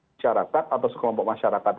masyarakat atau sekelompok masyarakat